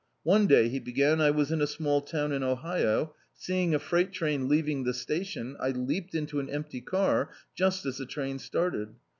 One day," he began, "I was in a small town in Ohio. Seeing a freight train leaving the station, I leaped into an empty car, just as the train started.